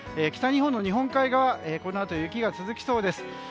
北日本の日本海側このあと雪が続きそうです。